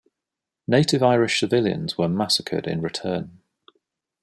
Native Irish civilians were massacred in return.